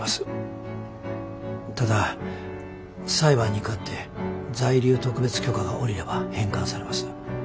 ただ裁判に勝って在留特別許可が下りれば返還されます。